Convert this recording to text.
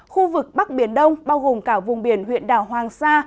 khu vực bắc biển đông bao gồm cả vùng biển huyện đảo hoàng sa